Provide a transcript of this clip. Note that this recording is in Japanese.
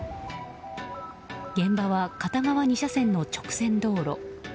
現場は片側２車線の直線道路。